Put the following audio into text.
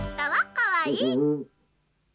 かわいい。